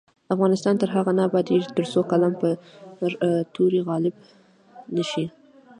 افغانستان تر هغو نه ابادیږي، ترڅو قلم پر تورې غالب نشي.